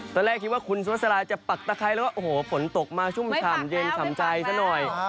ตอนแรกคิดว่าคุณสุษราจะปักตะครัยแล้วผมตกมาชุ่มช่ามเย็นช่ามใจซะหน่อย